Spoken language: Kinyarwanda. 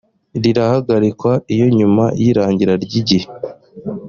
rirahagarikwa iyo nyuma y irangira ry igihe